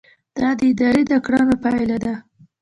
دا د ادارې د کړنو پایله ده.